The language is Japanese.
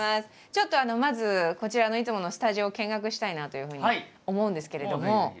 ちょっとまずこちらのいつものスタジオを見学したいなというふうに思うんですけれども。